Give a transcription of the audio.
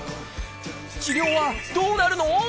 治療はどうなるの？